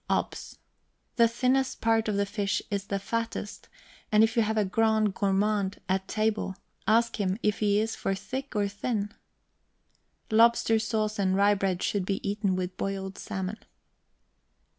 Obs. The thinnest part of the fish is the fattest, and if you have a "grand gourmand" at table, ask him if he is for thick or thin. Lobster sauce and rye bread should be eaten with boiled salmon.